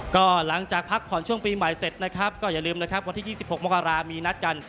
ก็หลังจากพักผ่อนช่วงปีใหม่เสร็จนะครับก็อย่าลืมนะครับวันที่๒๖มกรามีนัดกัน